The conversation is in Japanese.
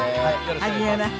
はじめまして。